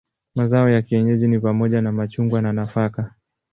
Mazao ya kienyeji ni pamoja na machungwa na nafaka.